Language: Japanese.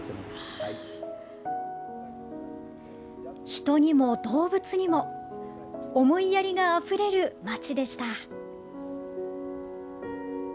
人にも動物にも思いやりがあふれる街でした。